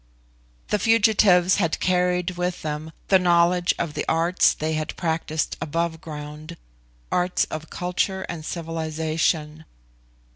The fugitives had carried with them the knowledge of the arts they had practised above ground arts of culture and civilisation.